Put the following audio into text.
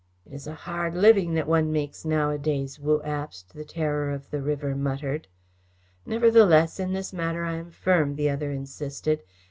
"It is a hard living that one makes nowadays," Wu Abst, the Terror of the River, muttered. "Nevertheless in this matter I am firm," the other insisted.